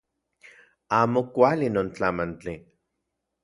Amo kuali non tlamantli